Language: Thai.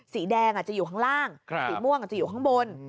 สีแดงจะอยู่ข้างล่างสีม่วงจะอยู่ข้างบน